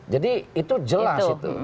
jadi itu jelas itu